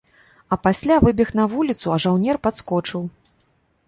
А пасля выбег на вуліцу, а жаўнер падскочыў.